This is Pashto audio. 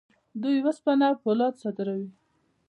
دوی وسپنه او فولاد صادروي.